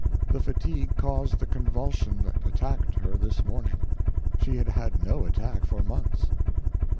The fatigue caused the convulsion that attacked her this morning. She had had no attack for months.